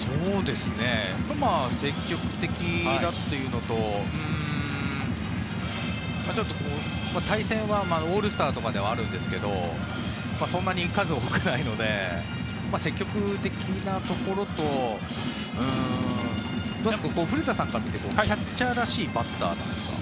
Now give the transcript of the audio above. まあ積極的だというのとちょっと対戦はオールスターとかではあるんですけどそんなに数多くないので積極的なところと古田さんから見てキャッチャーらしいバッターですか？